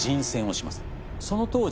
その当時。